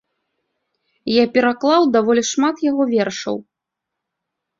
Я пераклаў даволі шмат яго вершаў.